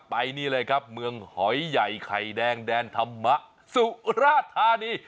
ไปนี่เลยครับเมืองหอยใหญ่ไข่แดงแดนธรรมะสุราธานี